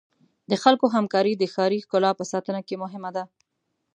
د خلکو همکاري د ښاري ښکلا په ساتنه کې مهمه ده.